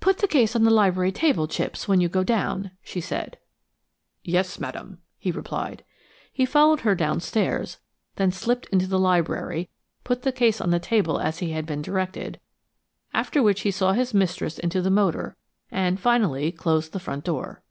"Put the case on the library table, Chipps, when you go down," she said. "Yes, madam," he replied. He followed her downstairs, then slipped into the library, put the case on the table as he had been directed, after which he saw his mistress into the motor, and finally closed the front door.